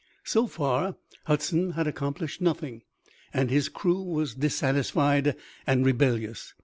So far Hudson had accomplished nothing, and his crew was dissatisfied and rebellious.